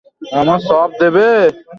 আমার স্বামীর হয়ে কতদিন ধরে কাজ কর?